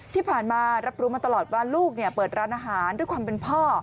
ที่ผ่านมารับรู้มาตลอดว่าลูกเปิดร้านอาหารด้วยความเป็นพ่อ